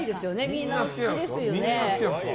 みんな、好きですよね。